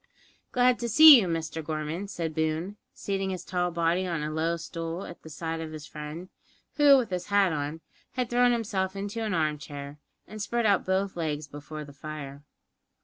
"Glad to see you, Mr Gorman," said Boone, seating his tall body on a low stool at the side of his friend, who, with his hat on, had thrown himself into an armchair, and spread out both legs before the fire.